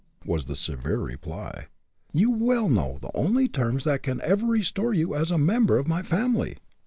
was the severe reply. "You well know the only terms that can ever restore you as a member of my family."